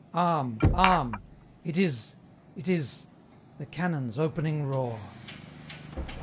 Arm! arm! it is it is the cannon's opening roar!